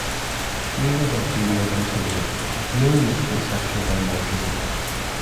Males and females are similar, with no notable sexual dimorphism.